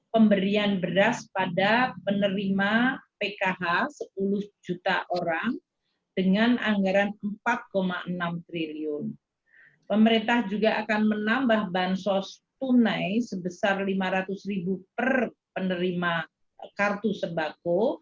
pemerintah juga akan menambah bansos tunai sebesar lima ratus ribu per penerima kartu sebako